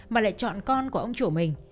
mà lại chọn con của ông chủ mình